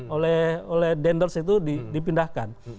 oleh dandles itu dipindahkan